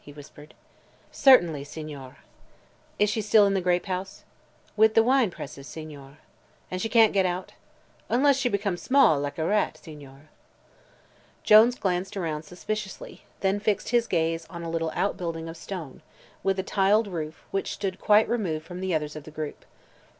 he whispered. "Certainly, Signore." "Is she still in the grape house?" "With the wine presses, Signore." "And she can't get out?" "Unless she becomes small, like a rat, Signore." Jones glanced around suspiciously, then fixed his gaze on a little outbuilding of stone, with a tiled roof, which stood quite removed from the others of the group.